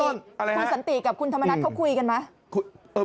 คุณสันติกับคุณธรรมนัฐเขาคุยกันไหม